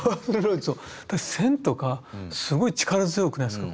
線とかすごい力強くないですか？